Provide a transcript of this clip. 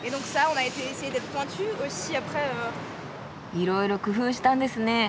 いろいろ工夫したんですね。